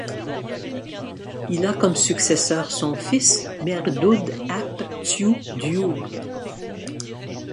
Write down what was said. Il a comme successeur son fils Maredudd ap Tewdwr.